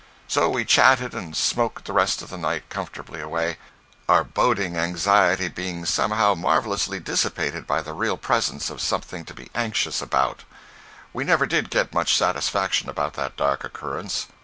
So we chatted and smoked the rest of the night comfortably away, our boding anxiety being somehow marvelously dissipated by the real presence of something to be anxious about. We never did get much satisfaction about that dark occurrence.